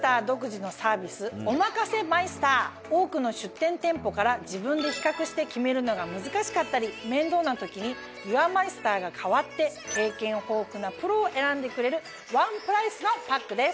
多くの出店店舗から自分で比較して決めるのが難しかったり面倒な時にユアマイスターが代わって経験豊富なプロを選んでくれるワンプライスのパックです。